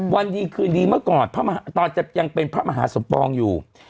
วันดีคืนดีเมื่อก่อนตอนจะยังเป็นพระมหาสมปองอยู่